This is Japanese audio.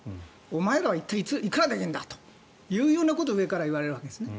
お前らは、一体いくらできるんだということを上から言われるわけですね。